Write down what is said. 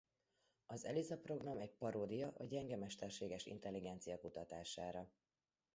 Az Eliza program egy paródia a gyenge mesterséges intelligencia kutatására.